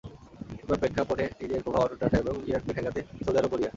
এমন প্রেক্ষাপটে নিজের প্রভাব অটুট রাখা এবং ইরানকে ঠেকাতে সৌদি আরব মরিয়া।